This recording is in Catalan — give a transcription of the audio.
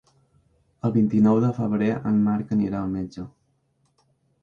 El vint-i-nou de febrer en Marc anirà al metge.